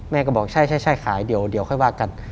แม่ก็บอกใช่ขายเดี๋ยวค่อยว่ากัน